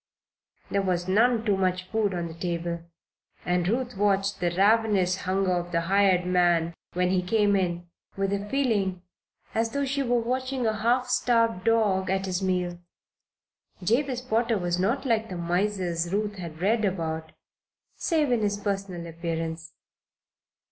There was none too much food on the table, and Ruth watched the ravenous hunger of the hired man, when he came in, with a feeling as though she were watching a half starved dog at his meal. Jabez Potter was not like the misers Ruth had read about, save in his personal appearance.